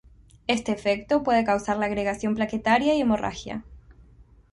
Este efecto puede causar la agregación plaquetaria y hemorragia.